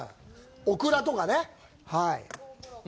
オクラとかね。